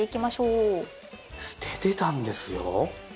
捨ててたんですよ？